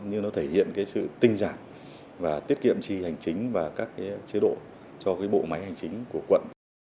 nhưng nó thể hiện sự tinh giản và tiết kiệm trì hành chính và các chế độ cho bộ máy hành chính của quận